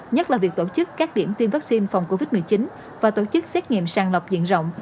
nhất là việc tổ chức các điểm tiêm vaccine phòng covid một mươi chín và tổ chức xét nghiệm sàng lọc diện rộng